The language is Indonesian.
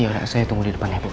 yaudah saya tunggu di depannya bu